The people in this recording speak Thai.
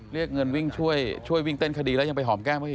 เรียกเงินวิ่งช่วยช่วยวิ่งเต้นคดีแล้วยังไปหอมแก้มเขาอีก